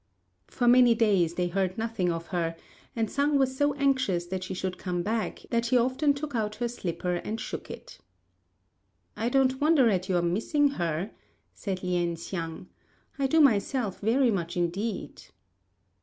For many days they heard nothing of her, and Sang was so anxious that she should come back that he often took out her slipper and shook it. "I don't wonder at your missing her," said Lien hsiang, "I do myself very much indeed."